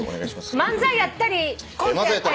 漫才やったりコントやったり。